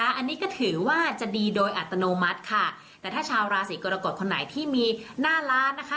อันนี้ก็ถือว่าจะดีโดยอัตโนมัติค่ะแต่ถ้าชาวราศีกรกฎคนไหนที่มีหน้าร้านนะคะ